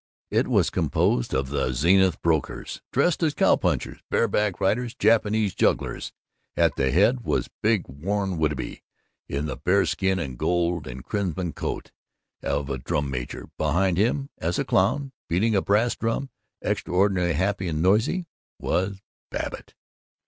It was composed of the Zenith brokers, dressed as cowpunchers, bareback riders, Japanese jugglers. At the head was big Warren Whitby, in the bearskin and gold and crimson coat of a drum major. Behind him, as a clown, beating a bass drum, extraordinarily happy and noisy, was Babbitt.